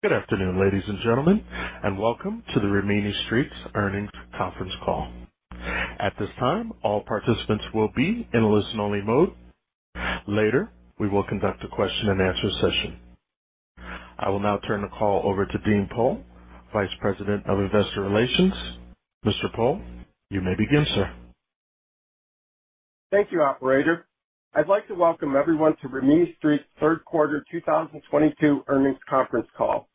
Good afternoon, ladies and gentlemen, and welcome to the Rimini Street Earnings Conference Call. At this time, all participants will be in a listen-only mode. Later, we will conduct a question-and-answer session. I will now turn the call over to Dean Pohl, Vice President of Investor Relations. Mr. Pohl, you may begin, sir. Thank you, operator. I'd like to welcome everyone to Rimini Street's Third Quarter 2022 Earnings Conference Call.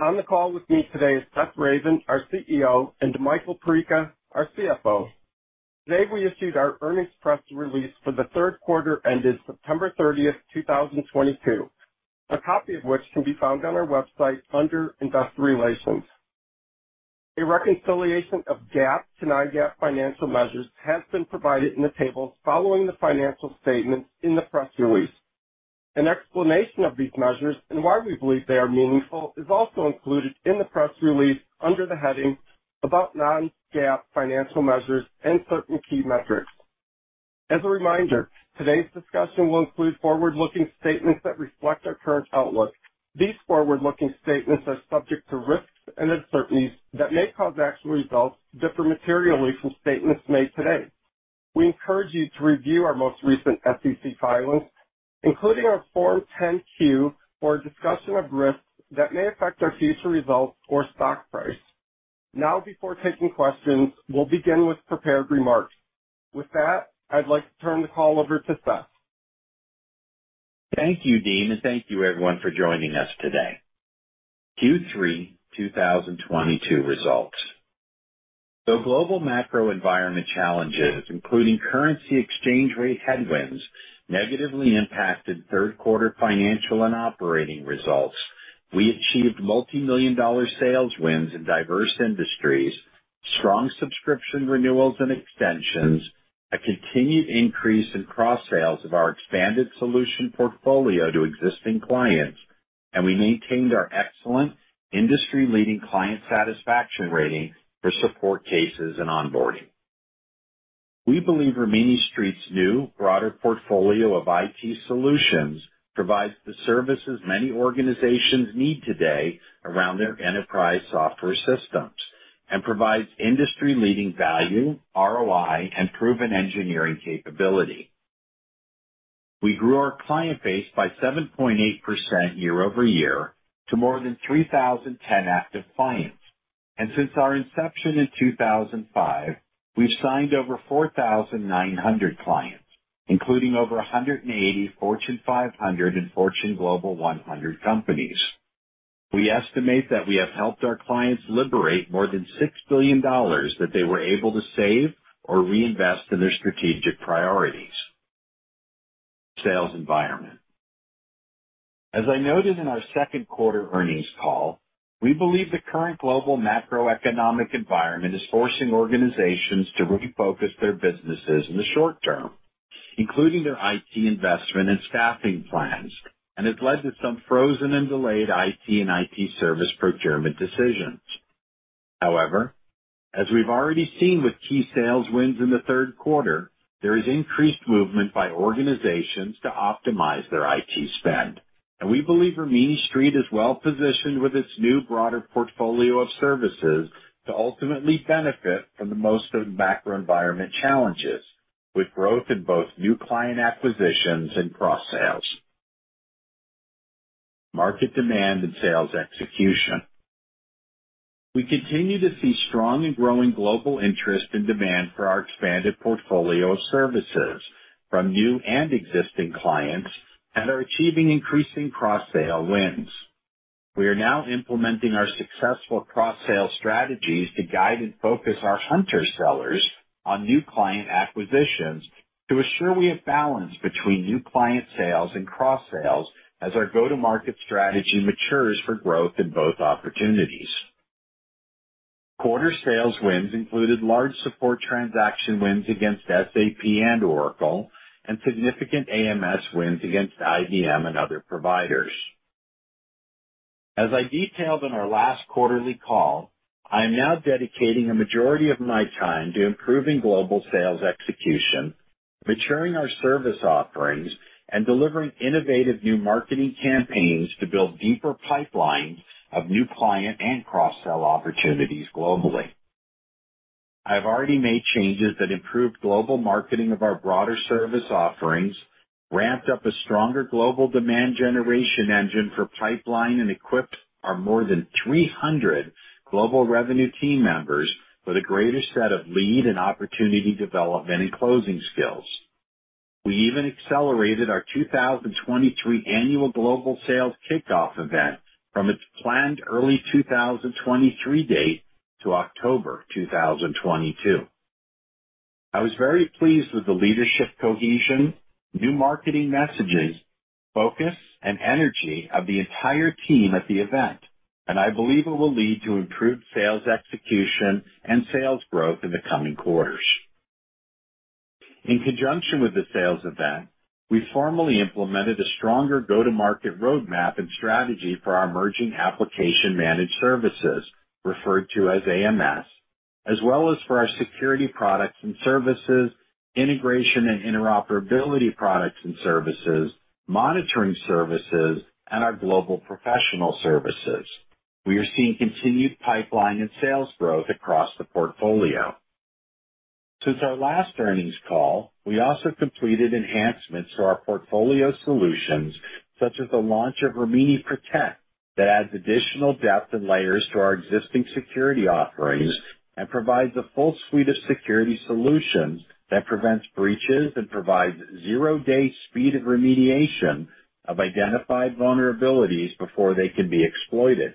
On the call with me today is Seth Ravin, our CEO, and Michael Perica, our CFO. Today we issued our earnings press release for the third quarter ended September 30th, 2022. A copy of which can be found on our website under Investor Relations. A reconciliation of GAAP to non-GAAP financial measures has been provided in the tables following the financial statements in the press release. An explanation of these measures and why we believe they are meaningful is also included in the press release under the heading About Non-GAAP Financial Measures and Certain Key Metrics. As a reminder, today's discussion will include forward-looking statements that reflect our current outlook. These forward-looking statements are subject to risks and uncertainties that may cause actual results to differ materially from statements made today. We encourage you to review our most recent SEC filings, including our Form 10-Q for a discussion of risks that may affect our future results or stock price. Now, before taking questions, we'll begin with prepared remarks. With that, I'd like to turn the call over to Seth. Thank you, Dean, and thank you everyone for joining us today, Q3 2022 results. Though global macro environment challenges, including currency exchange rate headwinds, negatively impacted third quarter financial and operating results, we achieved multimillion-dollar sales wins in diverse industries, strong subscription renewals and extensions, a continued increase in cross-sales of our expanded solution portfolio to existing clients. We maintained our excellent industry-leading client satisfaction rating for support cases and onboarding. We believe Rimini Street's new broader portfolio of IT solutions provides the services many organizations need today around their enterprise software systems, and provides industry-leading value, ROI, and proven engineering capability. We grew our client base by 7.8% year-over-year to more than 3,010 active clients. Since our inception in 2005, we've signed over 4,900 clients, including over 180 Fortune 500 and Fortune Global 100 companies. We estimate that we have helped our clients liberate more than $6 billion that they were able to save or reinvest in their strategic priorities. Sales environment. As I noted in our second quarter earnings call, we believe the current global macroeconomic environment is forcing organizations to refocus their businesses in the short term, including their IT investment and staffing plans, and has led to some frozen and delayed IT and IT service procurement decisions. However, as we've already seen with key sales wins in the third quarter, there is increased movement by organizations to optimize their IT spend. We believe Rimini Street is well positioned with its new broader portfolio of services to ultimately benefit from the most of the macro environment challenges, with growth in both new client acquisitions and cross-sales. Market demand and sales execution. We continue to see strong and growing global interest and demand for our expanded portfolio of services from new and existing clients and are achieving increasing cross-sale wins. We are now implementing our successful cross-sale strategies to guide and focus our hunter sellers on new client acquisitions to assure we have balance between new client sales and cross sales as our go-to-market strategy matures for growth in both opportunities. Quarter sales wins included large support transaction wins against SAP and Oracle, and significant AMS wins against IBM and other providers. As I detailed in our last quarterly call, I am now dedicating a majority of my time to improving global sales execution, maturing our service offerings, and delivering innovative new marketing campaigns to build deeper pipelines of new client and cross-sell opportunities globally. I've already made changes that improved global marketing of our broader service offerings, ramped up a stronger global demand generation engine for pipeline, and equipped our more than 300 global revenue team members with a greater set of lead and opportunity development and closing skills. We even accelerated our 2023 Annual Global Sales Kickoff event from its planned early 2023 date to October 2022. I was very pleased with the leadership cohesion, new marketing messages, focus, and energy of the entire team at the event, and I believe it will lead to improved sales execution and sales growth in the coming quarters. In conjunction with the sales event, we formally implemented a stronger go-to-market roadmap and strategy for our emerging Application Managed Services, referred to as AMS, as well as for our Security Products and Services, Integration and Interoperability Products and Services, Monitoring Services, and our Global Professional Services. We are seeing continued pipeline and sales growth across the portfolio. Since our last earnings call, we also completed enhancements to our portfolio solutions, such as the launch of Rimini Protect, that adds additional depth and layers to our existing security offerings and provides a full suite of security solutions that prevents breaches and provides zero-day speed of remediation of identified vulnerabilities before they can be exploited.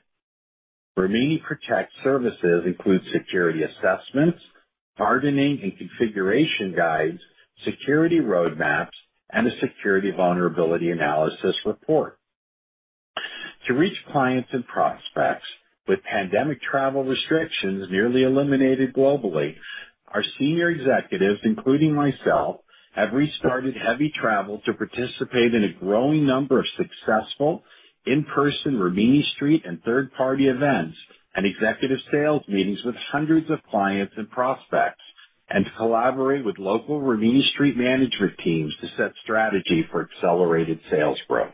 Rimini Protect Services includes security assessments, hardening and configuration guides, security roadmaps, and a security vulnerability analysis report. To reach clients and prospects with pandemic travel restrictions nearly eliminated globally, our senior executives, including myself, have restarted heavy travel to participate in a growing number of successful in-person Rimini Street and third-party events, and executive sales meetings with hundreds of clients and prospects, and to collaborate with local Rimini Street management teams to set strategy for accelerated sales growth.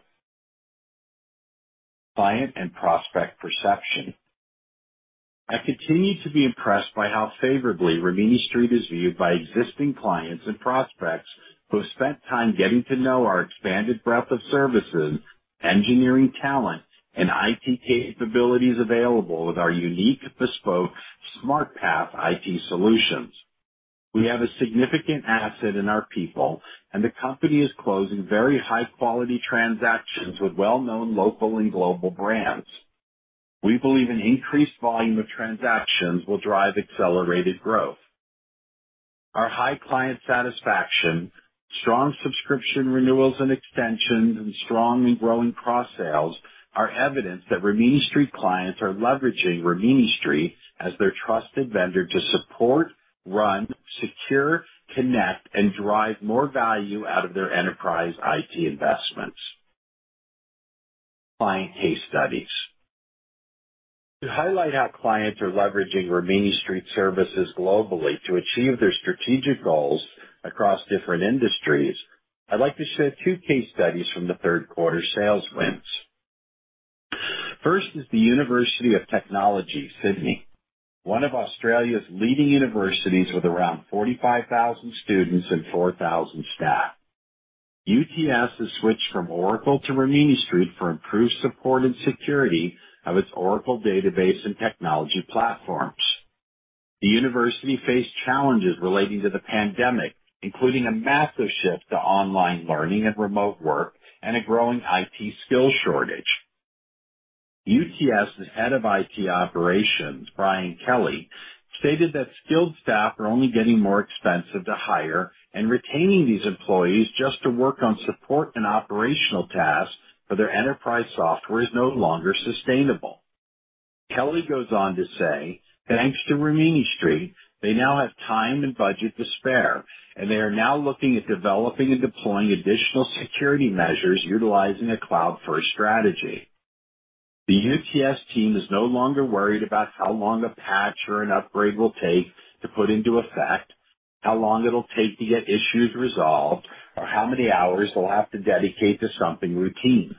Client and prospect perception. I continue to be impressed by how favorably Rimini Street is viewed by existing clients and prospects who have spent time getting to know our expanded breadth of services, engineering talent, and IT capabilities available with our unique bespoke Rimini Smart Path IT solutions. We have a significant asset in our people, and the company is closing very high-quality transactions with well-known local and global brands. We believe an increased volume of transactions will drive accelerated growth. Our high client satisfaction, strong subscription renewals and extensions, and strong and growing cross-sales are evidence that Rimini Street clients are leveraging Rimini Street as their trusted vendor to support, run, secure, connect, and drive more value out of their enterprise IT investments. Client case studies. To highlight how clients are leveraging Rimini Street services globally to achieve their strategic goals across different industries, I'd like to share two case studies from the third quarter sales wins. First is the University of Technology Sydney, one of Australia's leading universities with around 45,000 students and 4,000 staff. UTS has switched from Oracle to Rimini Street for improved support and security of its Oracle database and technology platforms. The university faced challenges relating to the pandemic, including a massive shift to online learning and remote work and a growing IT skills shortage. UTS's Head of IT Operations, Brian Kelly, stated that skilled staff are only getting more expensive to hire, and retaining these employees just to work on support and operational tasks for their enterprise software is no longer sustainable. Kelly goes on to say, thanks to Rimini Street, they now have time and budget to spare, and they are now looking at developing and deploying additional security measures utilizing a cloud-first strategy. The UTS team is no longer worried about how long a patch or an upgrade will take to put into effect, how long it'll take to get issues resolved, or how many hours they'll have to dedicate to something routine.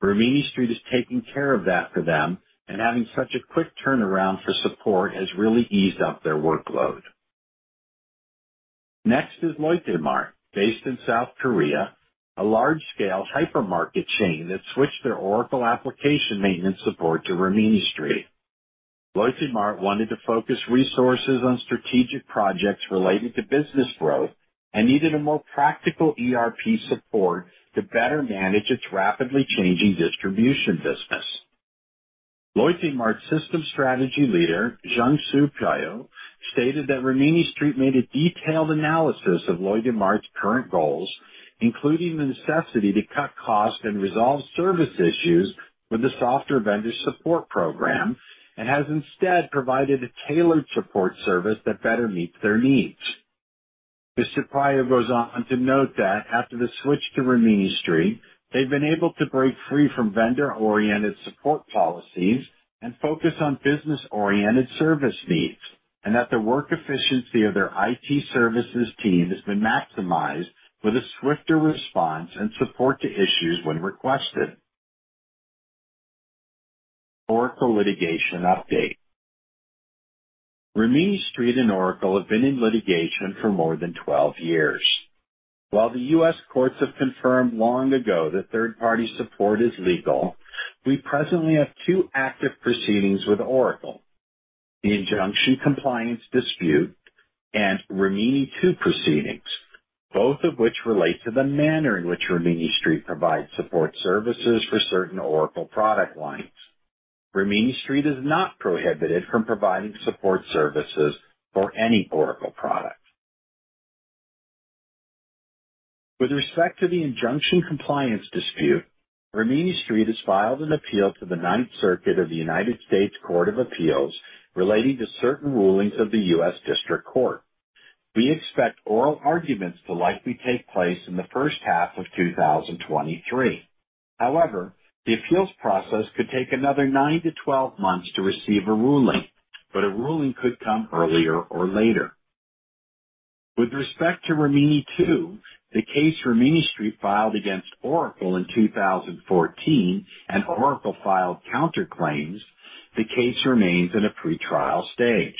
Rimini Street is taking care of that for them, and having such a quick turnaround for support has really eased up their workload. Next is Lotte Mart, based in South Korea, a large-scale hypermarket chain that switched their Oracle application maintenance support to Rimini Street. Lotte Mart wanted to focus resources on strategic projects related to business growth and needed a more practical ERP support to better manage its rapidly changing distribution business. Lotte Mart's System Strategy Leader, Jung-soo Pyo, stated that Rimini Street made a detailed analysis of Lotte Mart's current goals, including the necessity to cut costs and resolve service issues with the software vendor support program, and has instead provided a tailored support service that better meets their needs. Mr. Pyo goes on to note that after the switch to Rimini Street, they've been able to break free from vendor-oriented support policies and focus on business-oriented service needs, and that the work efficiency of their IT services team has been maximized with a swifter response and support to issues when requested. Oracle litigation update. Rimini Street and Oracle have been in litigation for more than 12 years. While the U.S. courts have confirmed long ago that third-party support is legal, we presently have two active proceedings with Oracle. The injunction compliance dispute and Rimini II proceedings, both of which relate to the manner in which Rimini Street provides support services for certain Oracle product lines. Rimini Street is not prohibited from providing support services for any Oracle product. With respect to the injunction compliance dispute, Rimini Street has filed an appeal to the 9th Circuit of United States Court of Appeals, relating to certain rulings of the U.S. District Court. We expect oral arguments to likely take place in the first half of 2023. However, the appeals process could take another nine to 12 months to receive a ruling, but a ruling could come earlier or later. With respect to Rimini II, the case Rimini Street filed against Oracle in 2014 and Oracle filed counterclaims, the case remains in a pretrial stage.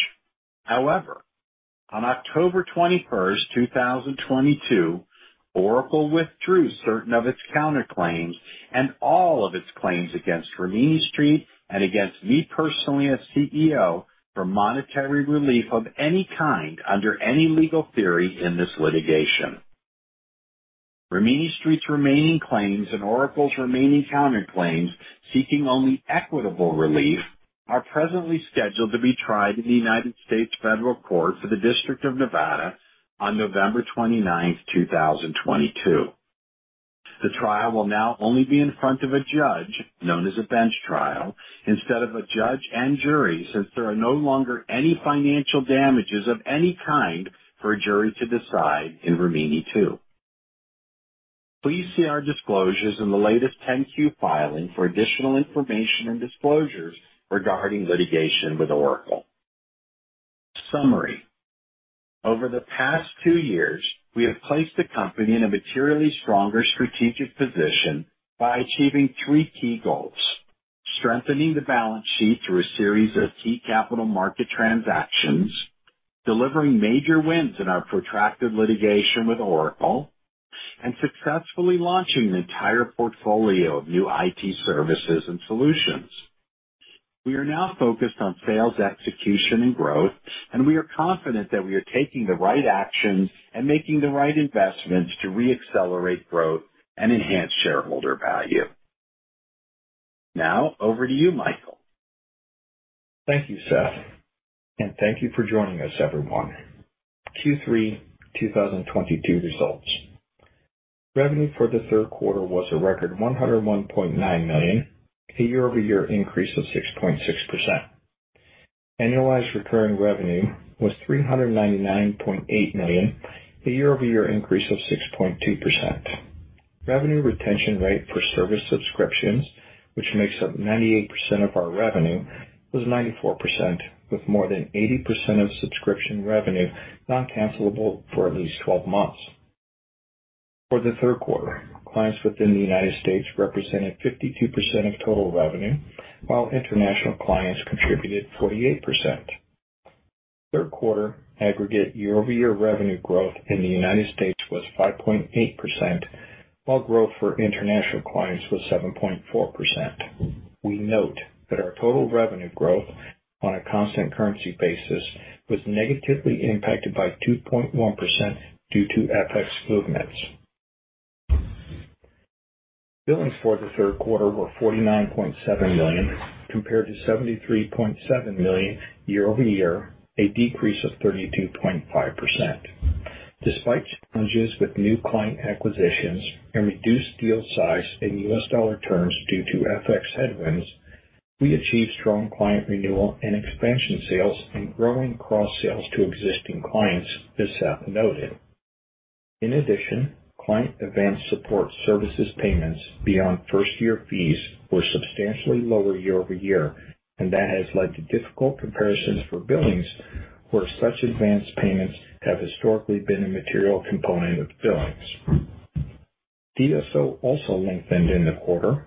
However, on October 21st, 2022, Oracle withdrew certain of its counterclaims and all of its claims against Rimini Street and against me personally as CEO for monetary relief of any kind under any legal theory in this litigation. Rimini Street's remaining claims and Oracle's remaining counterclaims, seeking only equitable relief, are presently scheduled to be tried in the United States Federal Court for the District of Nevada on November 29th, 2022. The trial will now only be in front of a judge, known as a bench trial, instead of a judge and jury, since there are no longer any financial damages of any kind for a jury to decide in Rimini II. Please see our disclosures in the latest Form 10-Q filing for additional information and disclosures regarding litigation with Oracle. Summary. Over the past two years, we have placed the company in a materially stronger strategic position by achieving three key goals. Strengthening the balance sheet through a series of key capital market transactions, delivering major wins in our protracted litigation with Oracle, and successfully launching an entire portfolio of new IT services and solutions. We are now focused on sales, execution, and growth, and we are confident that we are taking the right actions and making the right investments to re-accelerate growth and enhance shareholder value. Now over to you, Michael. Thank you, Seth, and thank you for joining us, everyone. Q3 2022 results. Revenue for the third quarter was a record $101.9 million, a year-over-year increase of 6.6%. Annualized recurring revenue was $399.8 million, a year-over-year increase of 6.2%. Revenue retention rate for service subscriptions, which makes up 98% of our revenue, was 94%, with more than 80% of subscription revenue non-cancellable for at least 12 months. For the third quarter, clients within the United States represented 52% of total revenue, while international clients contributed 48%. Third quarter aggregate year-over-year revenue growth in the United States was 5.8%, while growth for international clients was 7.4%. We note that our total revenue growth on a constant currency basis was negatively impacted by 2.1% due to FX movements. Billings for the third quarter were $49.7 million, compared to $73.7 million year-over-year, a decrease of 32.5%. Despite challenges with new client acquisitions and reduced deal size in U.S. dollar terms due to FX headwinds, we achieved strong client renewal and expansion sales and growing cross sales to existing clients, as Seth noted. In addition, client advanced support services payments beyond first year fees were substantially lower year-over-year, and that has led to difficult comparisons for billings where such advanced payments have historically been a material component of billings. DSO also lengthened in the quarter.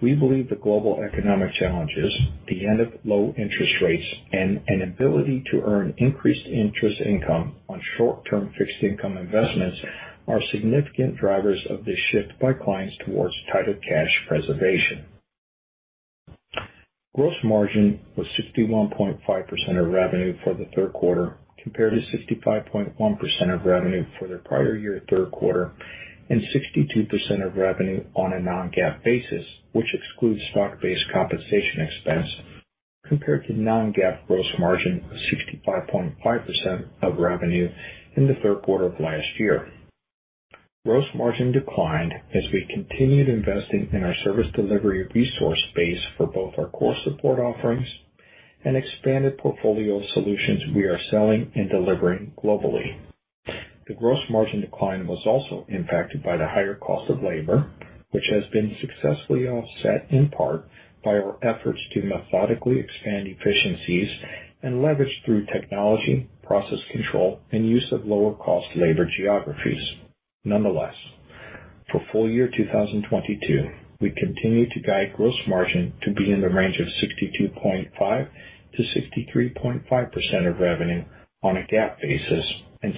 We believe the global economic challenges, the end of low interest rates, and an ability to earn increased interest income on short term fixed income investments are significant drivers of this shift by clients towards tighter cash preservation. Gross margin was 61.5% of revenue for the third quarter, compared to 65.1% of revenue for the prior year third quarter, and 62% of revenue on a non-GAAP basis, which excludes stock-based compensation expense, compared to non-GAAP gross margin of 65.5% of revenue in the third quarter of last year. Gross margin declined as we continued investing in our service delivery resource base for both our core support offerings and expanded portfolio solutions we are selling and delivering globally. The gross margin decline was also impacted by the higher cost of labor, which has been successfully offset in part by our efforts to methodically expand efficiencies and leverage through technology, process control, and use of lower cost labor geographies. Nonetheless, for full-year 2022, we continue to guide gross margin to be in the range of 62.5%-63.5% of revenue on a GAAP basis, and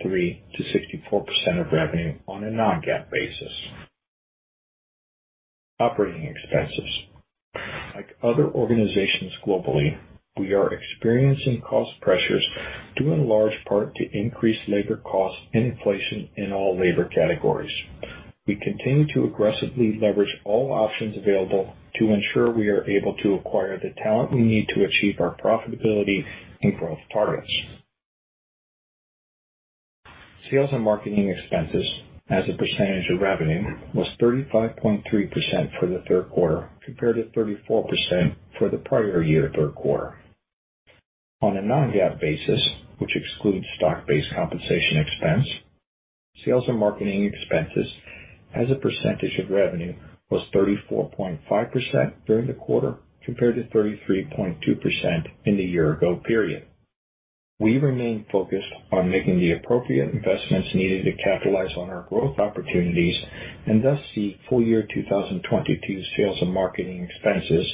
63%-64% of revenue on a non-GAAP basis. Operating expenses. Like other organizations globally, we are experiencing cost pressures due in large part to increased labor costs and inflation in all labor categories. We continue to aggressively leverage all options available to ensure we are able to acquire the talent we need to achieve our profitability and growth targets. Sales and marketing expenses as a percentage of revenue was 35.3% for the third quarter, compared to 34% for the prior year third quarter. On a non-GAAP basis, which excludes stock-based compensation expense, sales and marketing expenses as a percentage of revenue was 34.5% during the quarter, compared to 33.2% in the year ago period. We remain focused on making the appropriate investments needed to capitalize on our growth opportunities and thus see full-year 2022 sales and marketing expenses,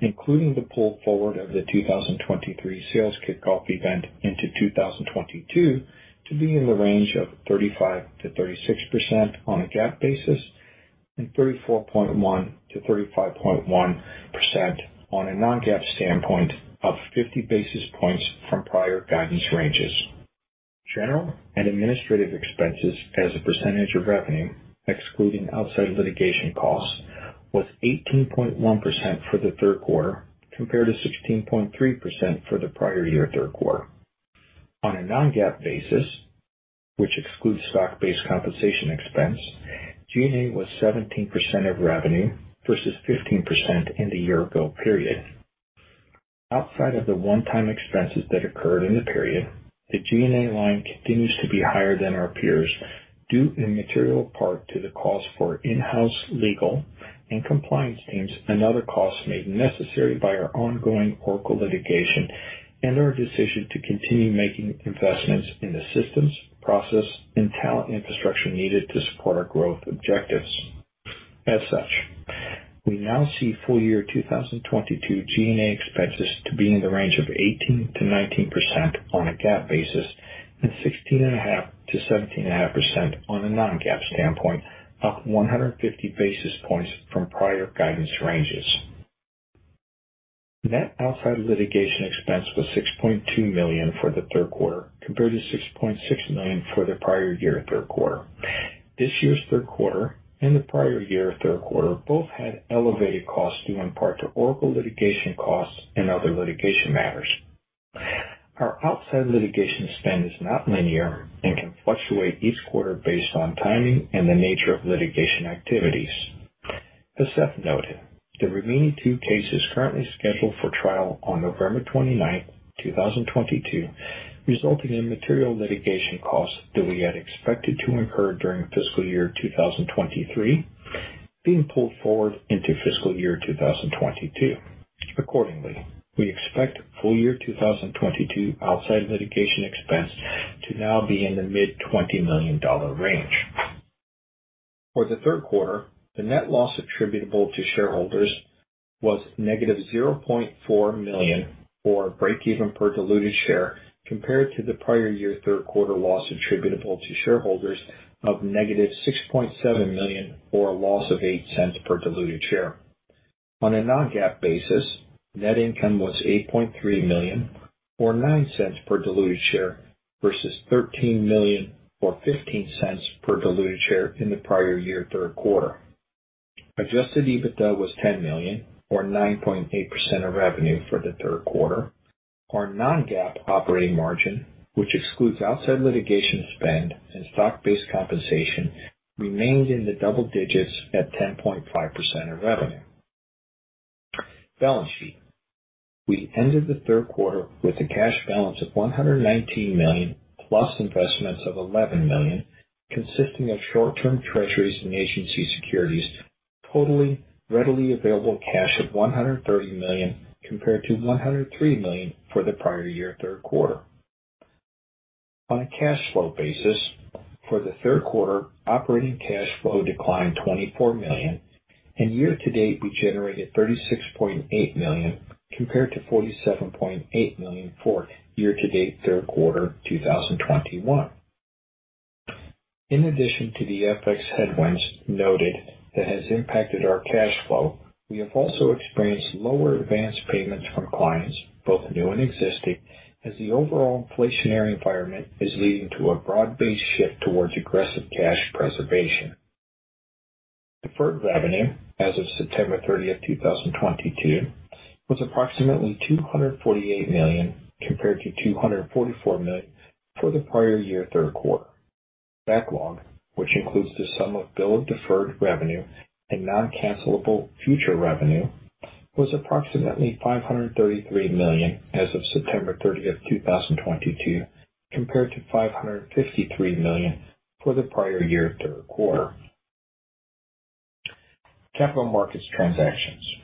including the pull forward of the 2023 sales kickoff event into 2022, to be in the range of 35%-36% on a GAAP basis and 34.1%-35.1% on a non-GAAP standpoint, of 50 basis points from prior guidance ranges. General and administrative expenses as a percentage of revenue, excluding outside litigation costs, was 18.1% for the third quarter, compared to 16.3% for the prior year third quarter. On a non-GAAP basis, which excludes stock-based compensation expense, G&A was 17% of revenue versus 15% in the year ago period. Outside of the one-time expenses that occurred in the period, the G&A line continues to be higher than our peers due in material part to the cost for in-house legal and compliance teams and other costs made necessary by our ongoing Oracle litigation and our decision to continue making investments in the systems, process and talent infrastructure needed to support our growth objectives. As such, we now see full-year 2022 G&A expenses to be in the range of 18%-19% on a GAAP basis and 16.5%-17.5% on a non-GAAP standpoint, up 150 basis points from prior guidance ranges. Net outside litigation expense was $6.2 million for the third quarter, compared to $6.6 million for the prior year third quarter. This year's third quarter and the prior year third quarter both had elevated costs due in part to Oracle litigation costs and other litigation matters. Our outside litigation spend is not linear and can fluctuate each quarter based on timing and the nature of litigation activities. As Seth noted, the remaining two cases currently scheduled for trial on November 29th, 2022, resulting in material litigation costs that we had expected to incur during fiscal year 2023 being pulled forward into fiscal year 2022. Accordingly, we expect full-year 2022 outside litigation expense to now be in the mid-$20 million range. For the third quarter, the net loss attributable to shareholders was -$400,000 or breakeven per diluted share, compared to the prior year third quarter loss attributable to shareholders of -$6.7 million or a loss of $0.08 per diluted share. On a non-GAAP basis, net income was $8.3 million or $0.09 per diluted share, versus $13 million or $0.15 per diluted share in the prior year third quarter. Adjusted EBITDA was $10 million or 9.8% of revenue for the third quarter. Our non-GAAP operating margin, which excludes outside litigation spend and stock-based compensation, remained in the double digits at 10.5% of revenue. Balance sheet. We ended the third quarter with a cash balance of $119 million plus investments of $11 million, consisting of short-term Treasuries and agency securities totaling readily available cash of $130 million, compared to $103 million for the prior-year third quarter. On a cash flow basis, for the third quarter, operating cash flow declined $24 million and year-to-date we generated $36.8 million, compared to $47.8 million for year-to-date third quarter 2021. In addition to the FX headwinds noted that has impacted our cash flow, we have also experienced lower advanced payments from clients, both new and existing, as the overall inflationary environment is leading to a broad-based shift towards aggressive cash preservation. Deferred revenue as of September 30, 2022 was approximately $248 million, compared to $244 million for the prior year third quarter. Backlog, which includes the sum of balance of deferred revenue and non-cancellable future revenue, was approximately $533 million as of September 30th, 2022, compared to $553 million for the prior year third quarter. Capital markets transactions.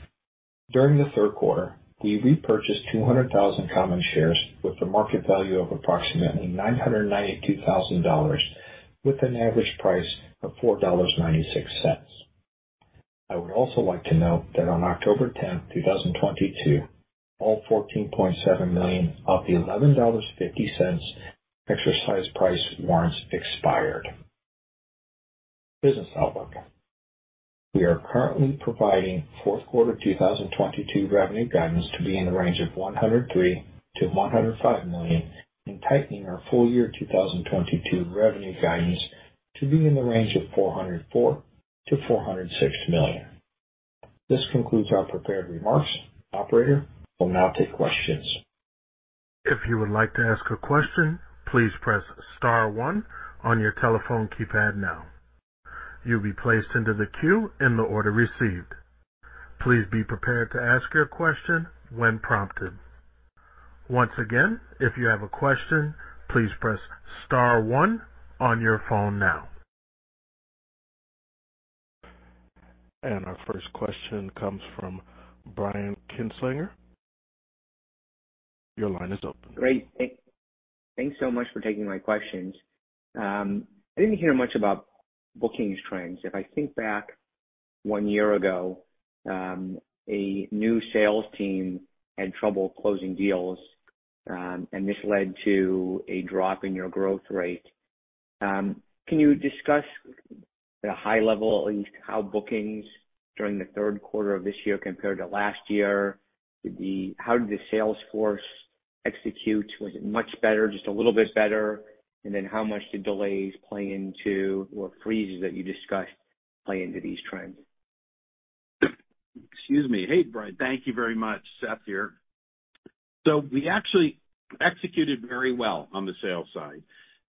During the third quarter, we repurchased 200,000 common shares with a market value of approximately $992,000 with an average price of $4.96. I would also like to note that on October 10th, 2022, all 14.7 million of the $11.50 exercise price warrants expired. Business outlook. We are currently providing fourth quarter 2022 revenue guidance to be in the range of $103 million-$105 million and tightening our full-year 2022 revenue guidance to be in the range of $404 million-$406 million. This concludes our prepared remarks. Operator, we'll now take questions. If you would like to ask a question, please press star one on your telephone keypad now. You'll be placed into the queue in the order received. Please be prepared to ask your question when prompted. Once again, if you have a question, please press star one on your phone now. Our first question comes from Brian Kinstlinger. Your line is open. Great. Thanks so much for taking my questions. I didn't hear much about bookings trends. If I think back one year ago, a new sales team had trouble closing deals, and this led to a drop in your growth rate. Can you discuss at a high level, at least how bookings during the third quarter of this year compared to last year? How did the sales force execute? Was it much better, just a little bit better? How much did delays play into, or freezes that you discussed play into these trends? Excuse me. Hey, Brian. Thank you very much. Seth here. We actually executed very well on the sales side.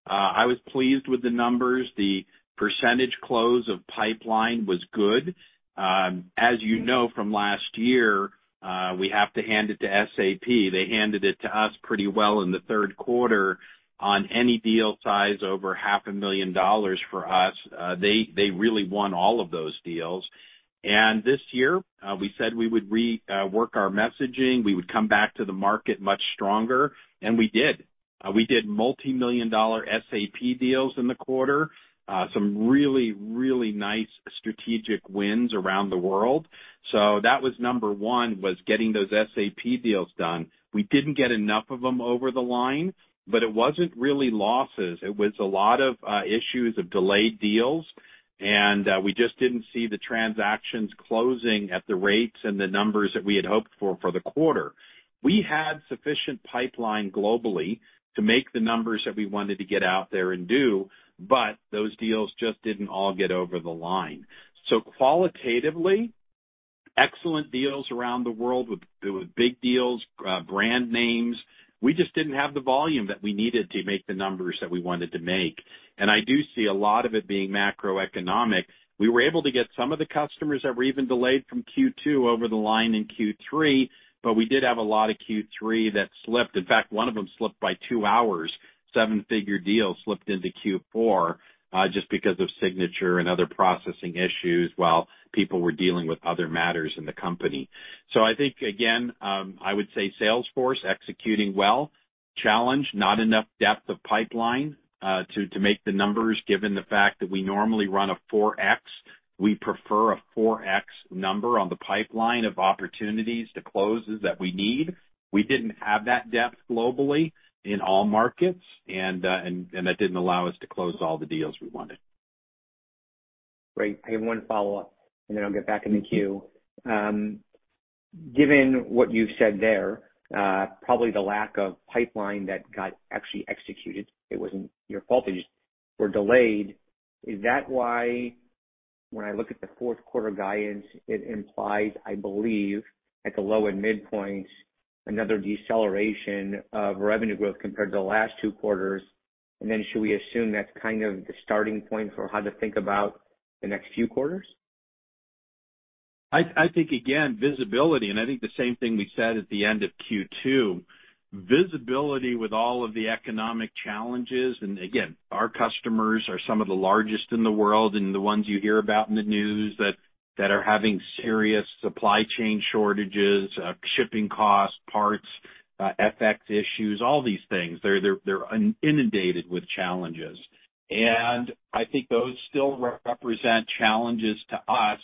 I was pleased with the numbers. The percentage close of pipeline was good. As you know, from last year, we have to hand it to SAP. They handed it to us pretty well in the third quarter on any deal size over $500,000 for us. They really won all of those deals. This year, we said we would work our messaging. We would come back to the market much stronger, and we did. We did multi-million dollar SAP deals in the quarter, some really nice strategic wins around the world. That was number one, getting those SAP deals done. We didn't get enough of them over the line, but it wasn't really losses. It was a lot of issues of delayed deals, and we just didn't see the transactions closing at the rates and the numbers that we had hoped for the quarter. We had sufficient pipeline globally to make the numbers that we wanted to get out there and do, but those deals just didn't all get over the line. Qualitatively, excellent deals around the world with big deals, brand names. We just didn't have the volume that we needed to make the numbers that we wanted to make. I do see a lot of it being macroeconomic. We were able to get some of the customers that were even delayed from Q2 over the line in Q3, but we did have a lot of Q3 that slipped. In fact, one of them slipped by two hours. Seven-figure deal slipped into Q4 just because of signature and other processing issues while people were dealing with other matters in the company. I think, again, I would say sales force executing well. Challenge, not enough depth of pipeline to make the numbers, given the fact that we normally run a 4x. We prefer a 4x number on the pipeline of opportunities to closes that we need. We didn't have that depth globally in all markets, and that didn't allow us to close all the deals we wanted. Great. I have one follow-up, and then I'll get back in the queue. Given what you've said there, probably the lack of pipeline that got actually executed, it wasn't your fault that you were delayed. Is that why when I look at the fourth quarter guidance, it implies, I believe, at the low and mid points, another deceleration of revenue growth compared to the last two quarters? And then should we assume that's kind of the starting point for how to think about the next few quarters? I think, again, visibility, and I think the same thing we said at the end of Q2, visibility with all of the economic challenges. Again, our customers are some of the largest in the world and the ones you hear about in the news that are having serious supply chain shortages, shipping costs, parts, FX issues, all these things. They're inundated with challenges. I think those still represent challenges to us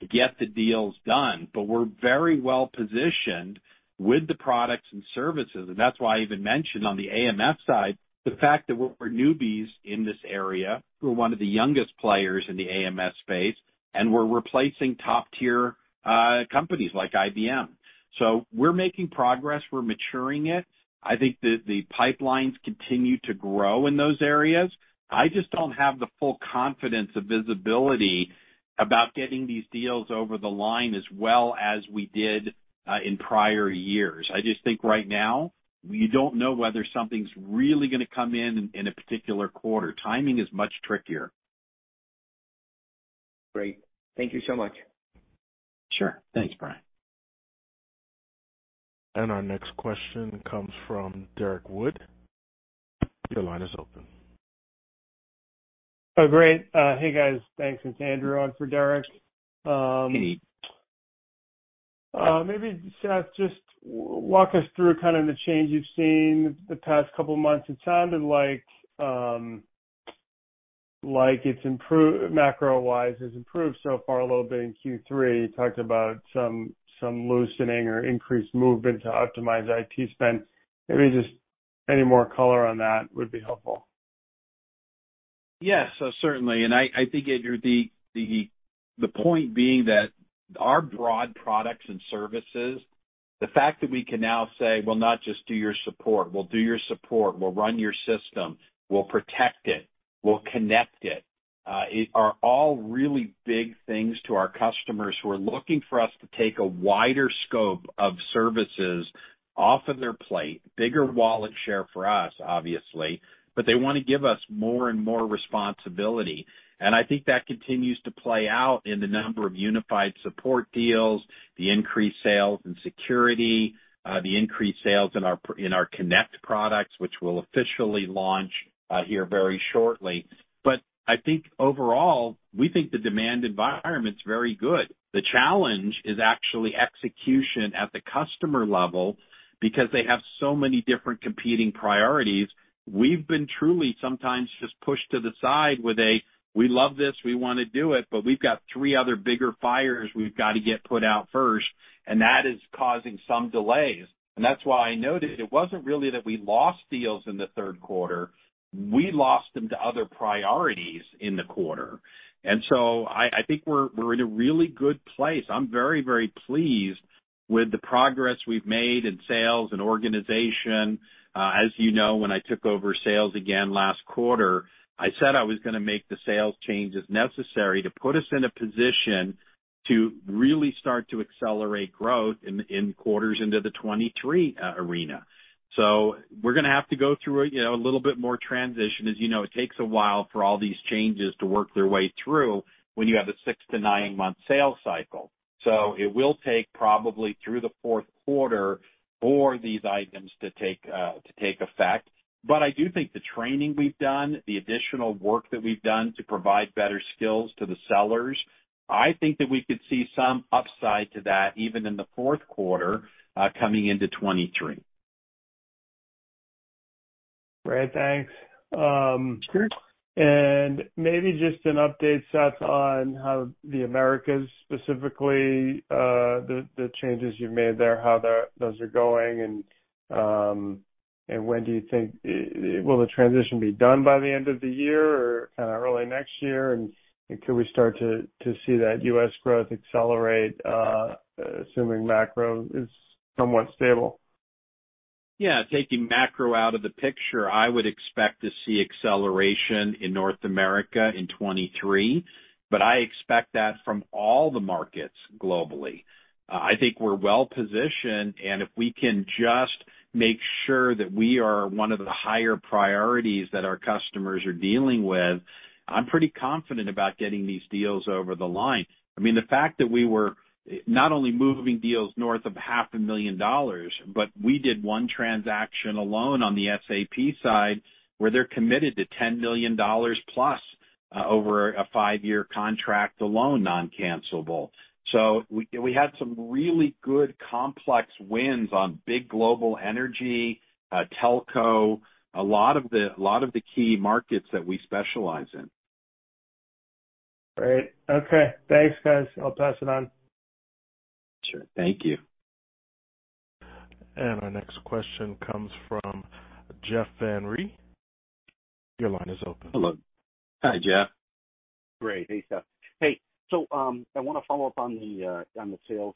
to get the deals done. We're very well positioned with the products and services. That's why I even mentioned on the AMS side, the fact that we're newbies in this area. We're one of the youngest players in the AMS space, and we're replacing top-tier companies like IBM. We're making progress. We're maturing it. I think the pipelines continue to grow in those areas. I just don't have the full confidence of visibility about getting these deals over the line as well as we did in prior years. I just think right now, we don't know whether something's really gonna come in in a particular quarter. Timing is much trickier. Great. Thank you so much. Sure. Thanks, Brian. Our next question comes from Derrick Wood. Your line is open. Oh, great. Hey, guys. Thanks. It's Andrew on for Derrick. Hey. Maybe, Seth, just walk us through kind of the change you've seen the past couple of months. It sounded like, like it's improved macro wise, it's improved so far a little bit in Q3. You talked about some loosening or increased movement to optimize IT spend. Maybe just any more color on that would be helpful. Yes, certainly. I think, Andrew, the point being that our broad products and services. The fact that we can now say, we'll not just do your support, we'll run your system, we'll protect it, we'll connect it are all really big things to our customers who are looking for us to take a wider scope of services off of their plate, bigger wallet share for us, obviously, but they wanna give us more and more responsibility. I think, that continues to play out in the number of unified support deals, the increased sales and security, the increased sales in our Connect products, which we'll officially launch here very shortly. I think overall, we think the demand environment's very good. The challenge is actually execution at the customer level because they have so many different competing priorities. We've been truly sometimes just pushed to the side with a, "We love this, we wanna do it, but we've got three other bigger fires we've gotta get put out first," and that is causing some delays. That's why I noted, it wasn't really that we lost deals in the third quarter. We lost them to other priorities in the quarter. I think, we're in a really good place. I'm very, very pleased with the progress we've made in sales and organization. As you know, when I took over sales again last quarter, I said, I was gonna make the sales changes necessary to put us in a position to really start to accelerate growth in quarters into the 2023 arena. We're gonna have to go through a, you know, a little bit more transition. As you know, it takes a while for all these changes to work their way through when you have a six to nine month sales cycle. It will take probably through the fourth quarter for these items to take effect. I do think the training we've done, the additional work that we've done to provide better skills to the sellers, I think, that we could see some upside to that even in the fourth quarter, coming into 2023. Great. Thanks. Sure. Maybe just an update, Seth, on how the Americas specifically, the changes you've made there, how those are going, and when do you think will the transition be done by the end of the year or kinda early next year? Can we start to see that U.S. growth accelerate, assuming macro is somewhat stable? Yeah. Taking macro out of the picture, I would expect to see acceleration in North America in 2023, but I expect that from all the markets globally. I think we're well-positioned, and if we can just make sure that we are one of the higher priorities that our customers are dealing with, I'm pretty confident about getting these deals over the line. I mean, the fact that we were not only moving deals north of $500,000, but we did one transaction alone on the SAP side where they're committed to $10 million+, over a five-year contract alone, non-cancelable. We had some really good complex wins on big global energy, telco, a lot of the key markets that we specialize in. Great. Okay. Thanks, guys. I'll pass it on. Sure. Thank you. Our next question comes from Jeff Van Rhee. Your line is open. Hello. Hi, Jeff. Great. Hey, Seth. Hey, I wanna follow up on the sales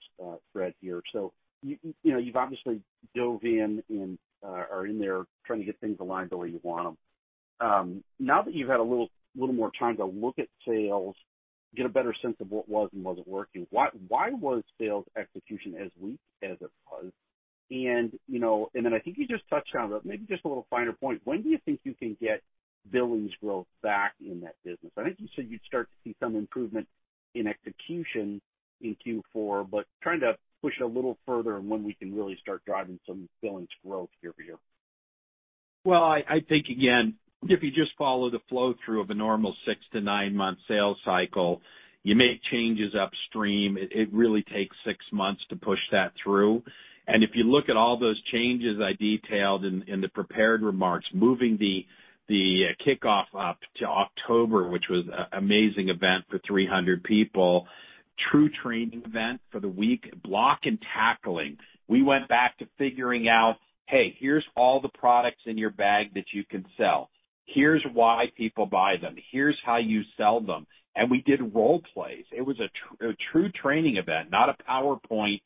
thread here. You know, you've obviously dove in and are in there trying to get things aligned the way you want them. Now that you've had a little more time to look at sales, get a better sense of what was and wasn't working, why was sales execution as weak as it was? You know, and then I think you just touched on it, maybe just a little finer point, when do you think you can get billings growth back in that business? I think, you said you'd start to see some improvement in execution in Q4, but trying to push a little further on when we can really start driving some billings growth year-over-year. Well, I think, again, if you just follow the flow through of a normal six to nine-month sales cycle, you make changes upstream. It really takes six months to push that through. If you look at all those changes I detailed in the prepared remarks, moving the kickoff up to October, which was an amazing event for 300 people, true training event for the week, blocking and tackling. We went back to figuring out, hey, here's all the products in your bag that you can sell. Here's why people buy them. Here's how you sell them. We did role plays. It was a true training event, not a PowerPoint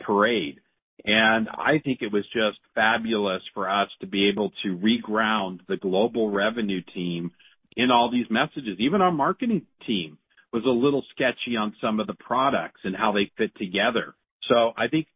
parade. I think it was just fabulous for us to be able to reground the global revenue team in all these messages. Even our marketing team was a little sketchy on some of the products and how they fit together. I think,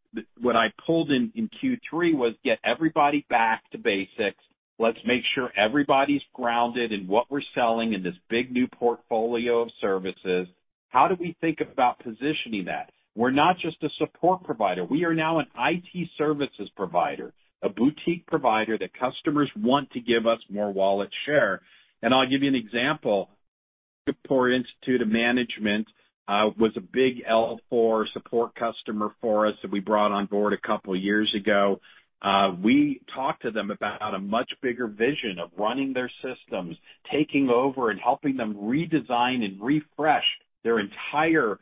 what I pulled in Q3 was get everybody back to basics. Let's make sure everybody's grounded in what we're selling in this big new portfolio of services. How do we think about positioning that? We're not just a support provider. We are now an IT services provider, a boutique provider that customers want to give us more wallet share. I'll give you an example. Singapore Institute of Management was a big L4 support customer for us that we brought on board a couple years ago. We talked to them about a much bigger vision of running their systems, taking over and helping them redesign and refresh their entire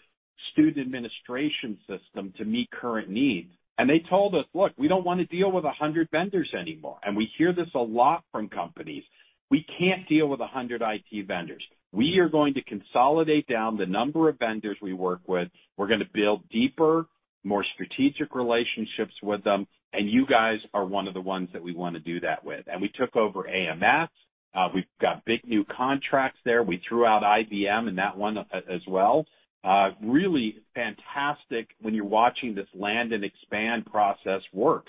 student administration system to meet current needs. They told us, "Look, we don't wanna deal with 100 vendors anymore." We hear this a lot from companies. We can't deal with 100 IT vendors. We are going to consolidate down the number of vendors we work with. We're gonna build deeper, more strategic relationships with them, and you guys are one of the ones that we wanna do that with. We took over AMS. We've got big new contracts there. We threw out IBM in that one as well. Really fantastic when you're watching this land and expand process work.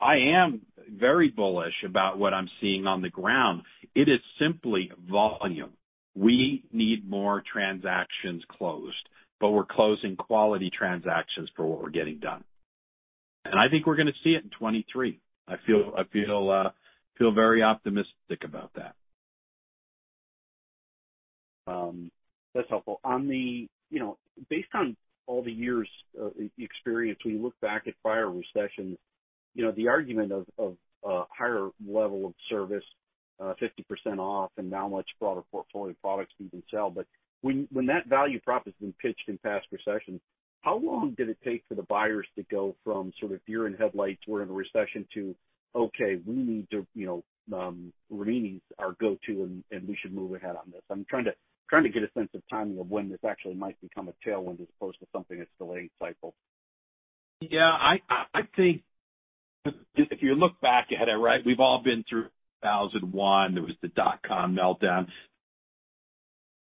I am very bullish about what I'm seeing on the ground. It is simply volume. We need more transactions closed, but we're closing quality transactions for what we're getting done. I think, we're gonna see it in 2023. I feel very optimistic about that. That's helpful. You know, based on all the years of experience, when you look back at prior recessions, you know, the argument of a higher level of service, 50% off and now much broader portfolio of products we can sell. But when that value prop has been pitched in past recessions, how long did it take for the buyers to go from sort of deer in headlights, we're in a recession, to okay, we need to, you know, Rimini's our go-to, and we should move ahead on this. I'm trying to get a sense of timing of when this actually might become a tailwind as opposed to something that's delayed cycle. Yeah, I think, if you look back at it, right, we've all been through 2001. There was the dot-com meltdown.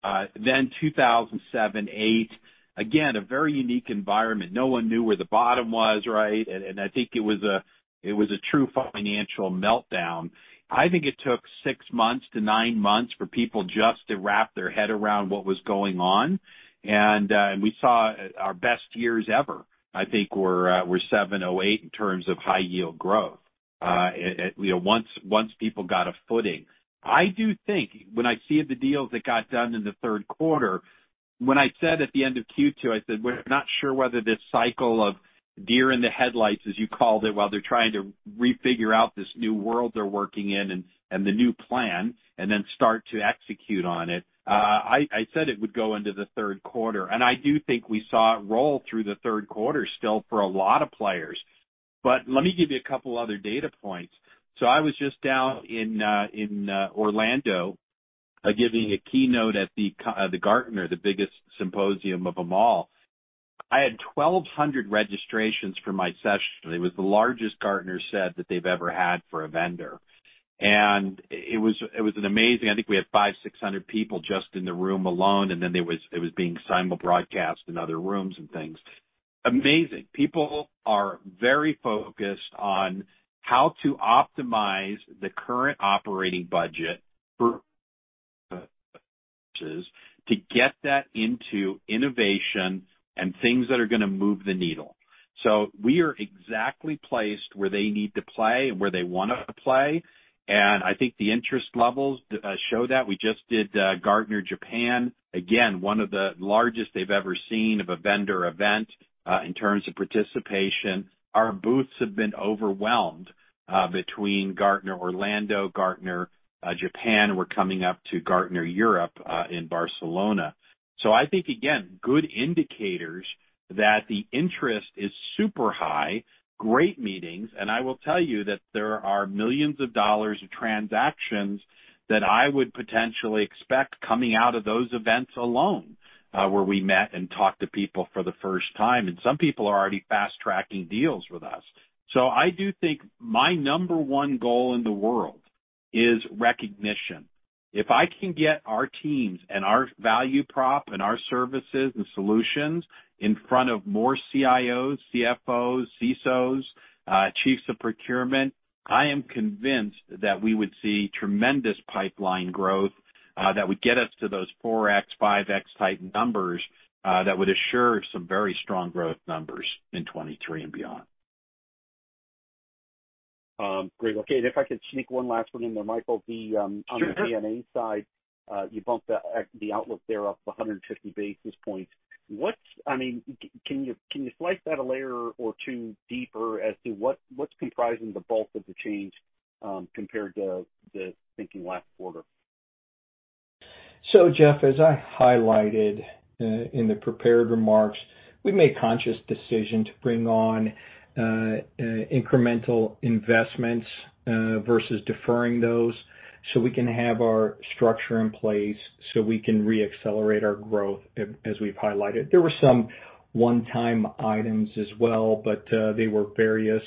Then 2007, 2008, again, a very unique environment. No one knew where the bottom was, right? I think, it was a true financial meltdown. I think, it took six to nine months for people just to wrap their head around what was going on. We saw our best years ever. I think, we're 70.8% in terms of high yield growth. You know, once people got a footing. I do think, when I see the deals that got done in the third quarter, when I said at the end of Q2, I said, "We're not sure whether this cycle of deer in the headlights," as you called it, while they're trying to refigure out this new world they're working in and the new plan, and then start to execute on it. I said it would go into the third quarter, and I do think we saw it roll through the third quarter still for a lot of players. Let me give you a couple other data points. I was just down in Orlando, giving a keynote at the Gartner, the biggest symposium of them all. I had 1,200 registrations for my session. It was the largest Gartner said that they've ever had for a vendor.nIt was amazing. I think we had 500–600 people just in the room alone, and then it was being simulcast in other rooms and things. Amazing. People are very focused on how to optimize the current operating budget to get that into innovation and things that are gonna move the needle. We are exactly placed where they need to play and where they wanna play, and I think the interest levels show that. We just did Gartner Japan. Again, one of the largest they've ever seen of a vendor event in terms of participation. Our booths have been overwhelmed between Gartner Orlando, Gartner Japan. We're coming up to Gartner Europe in Barcelona. I think, again, good indicators that the interest is super high, great meetings, and I will tell you that there are millions of dollars transactions that I would potentially expect coming out of those events alone, where we met and talked to people for the first time, and some people are already fast-tracking deals with us. I do think, my number one goal in the world is recognition. If I can get our teams and our value prop and our services and solutions in front of more CIOs, CFOs, CSOs, chiefs of procurement, I am convinced that we would see tremendous pipeline growth, that would get us to those 4x, 5x type numbers, that would assure some very strong growth numbers in 2023 and beyond. Great. Okay, if I could sneak one last one in there, Michael. Sure, sure. On the G&A side, you bumped the outlook there up 150 basis points. I mean, can you slice that a layer or two deeper as to what's comprising the bulk of the change compared to the thinking last quarter? Jeff, as I highlighted in the prepared remarks, we made conscious decision to bring on incremental investments versus deferring those so we can have our structure in place, so we can re-accelerate our growth as we've highlighted. There were some one-time items as well, but they were various.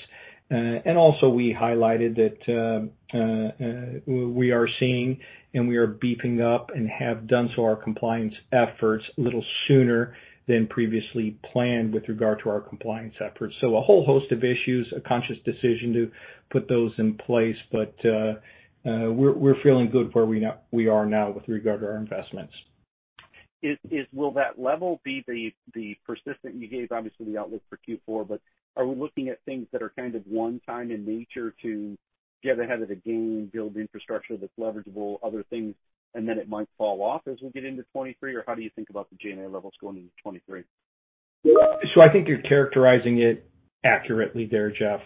We highlighted that we are seeing and we are beefing up and have done so our compliance efforts a little sooner than previously planned with regard to our compliance efforts. A whole host of issues, a conscious decision to put those in place. We're feeling good where we are now with regard to our investments. Will that level be the persistent? You gave obviously the outlook for Q4, but are we looking at things that are kind of one-time in nature to get ahead of the game, build infrastructure that's leverageable, other things, and then it might fall off as we get into 2023? Or how do you think about the G&A levels going into 2023? I think you're characterizing it accurately there, Jeff.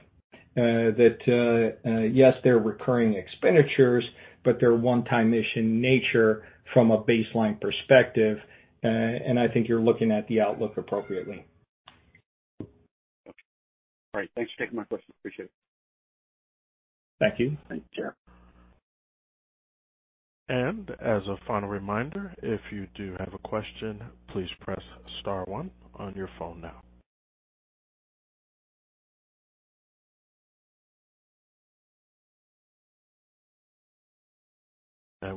Yes, they're recurring expenditures, but they're one-time in nature from a baseline perspective. I think you're looking at the outlook appropriately. All right. Thanks for taking my questions. Appreciate it. Thank you. Thanks, Jeff. As a final reminder, if you do have a question, please press star one on your phone now.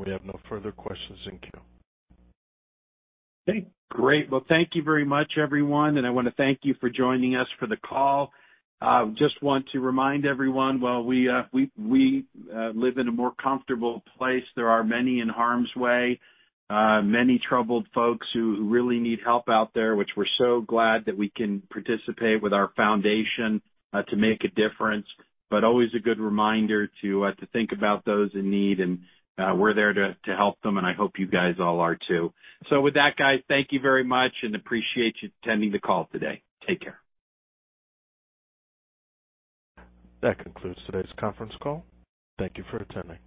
We have no further questions in queue. Okay, great. Well, thank you very much, everyone, and I wanna thank you for joining us for the call. Just want to remind everyone while we live in a more comfortable place, there are many in harm's way, many troubled folks who really need help out there, which we're so glad that we can participate with our foundation to make a difference. Always a good reminder to think about those in need, and we're there to help them, and I hope you guys all are too. With that, guys, thank you very much and appreciate you attending the call today. Take care. That concludes today's conference call. Thank you for attending.